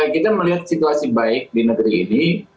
kita melihat situasi baik di negeri ini